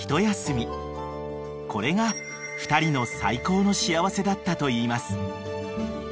［これが２人の最高の幸せだったといいます］